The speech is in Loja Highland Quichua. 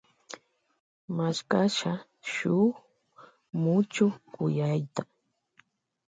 Mashkasha shun muchuk kuyayta.